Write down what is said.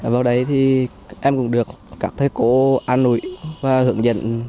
vào đấy thì em cũng được cảm thấy có an nụi và hưởng dẫn